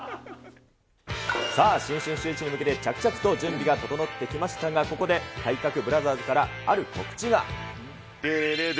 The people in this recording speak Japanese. さあ、新春シューイチに向けて、着々と準備が整ってきましたが、ここで体格ブラザーズからある告知が。